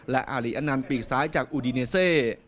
และอารีอนันต์ปีกซ้ายจากอูดีเนเซ